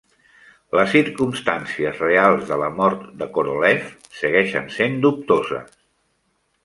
Les circumstàncies reals de la mort de Korolev segueixen sent dubtoses.